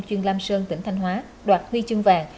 chuyên lam sơn tỉnh thanh hóa đoạt huy chương vàng